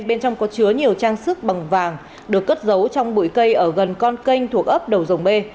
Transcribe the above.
bên trong có chứa nhiều trang sức bằng vàng được cất giấu trong bụi cây ở gần con kênh thuộc ấp đầu dòng b